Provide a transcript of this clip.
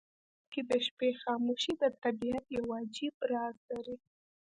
په کښتونو کې د شپې خاموشي د طبیعت یو عجیب راز لري.